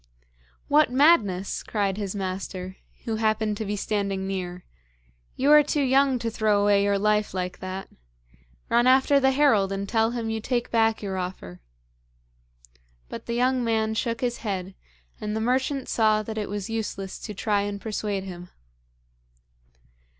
'What madness!' cried his master, who happened to be standing near. 'You are too young to throw away your life like that. Run after the herald and tell him you take back your offer.' But the young man shook his head, and the merchant saw that it was useless to try and persuade him.